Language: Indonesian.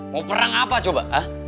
mau perang apa coba